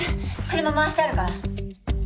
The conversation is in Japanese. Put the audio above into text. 車回してあるから。